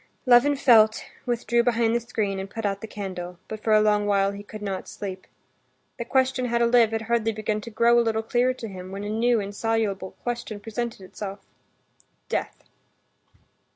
Levin felt, withdrew behind the screen, and put out the candle, but for a long while he could not sleep. The question how to live had hardly begun to grow a little clearer to him, when a new, insoluble question presented itself—death.